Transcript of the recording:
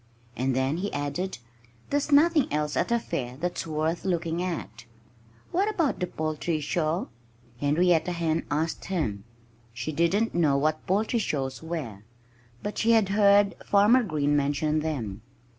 And then he added, "There's nothing else at a fair that's worth looking at." "What about the poultry show?" Henrietta Hen asked him. She didn't know what poultry shows were; but she had heard Farmer Green mention them.